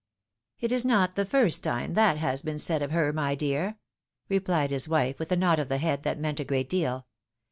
" It is not the first time that has been said of her, my dear," repHed his wife, with a nod of the head that meant a great deal.